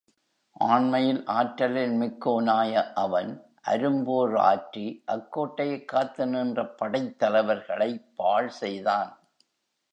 ஆண்மையில், ஆற்றலில் மிக்கோனாய அவன், அரும்போர் ஆற்றி, அக் கோட்டையைக் காத்து நின்ற படைத் தலைவர்களைப் பாழ்செய்தான்.